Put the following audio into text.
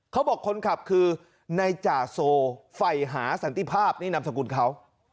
เขาบอกคนขับคือนายจ่าโซไฟหาสันติภาพนี่นำสังคุณเขา